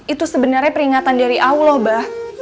itu sebenarnya peringatan dari allah bah